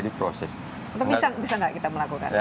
bisa nggak kita melakukan